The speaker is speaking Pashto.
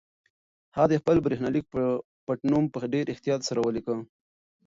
هغه د خپل برېښنالیک پټنوم په ډېر احتیاط سره ولیکه.